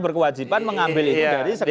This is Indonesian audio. berkewajiban mengambil ini dari